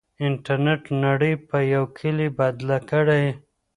انټرنېټ نړۍ په يو کلي بدله کړې.